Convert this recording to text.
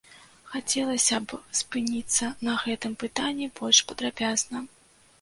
Хацелася б спыніцца на гэтым пытанні больш падрабязна.